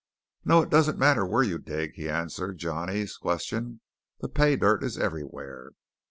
"No, it doesn't matter where you dig," he answered Johnny's question. "The pay dirt is everywhere."